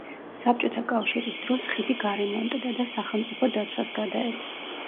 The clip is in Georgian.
საბჭოთა კავშირის დროს ხიდი გარემონტდა და სახელმწიფო დაცვას გადაეცა.